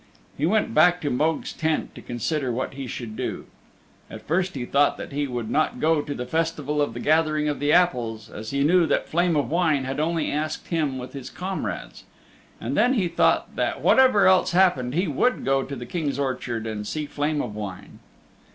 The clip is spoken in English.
He went back to Mogue's tent to consider what he should do. And first he thought he would not go to the Festival of the Gathering of the Apples, as he knew that Flame of Wine had only asked him with his comrades. And then he thought that whatever else happened he would go to the King's orchard and see Flame of Wine.